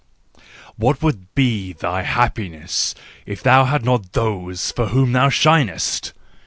What would be thy happiness if thou hadst not those for whom thou shinest!